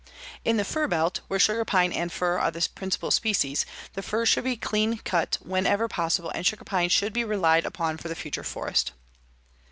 In the fir belt, where sugar pine and fir are the principal species, the fir should be cut clean wherever possible and sugar pine should be relied upon for the future forest.